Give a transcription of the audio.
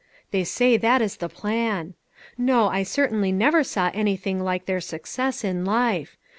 They say that is the plan. No, I certainly never saw anything like their success in life.